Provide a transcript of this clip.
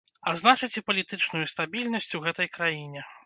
А значыць, і палітычную стабільнасць у гэтай краіне.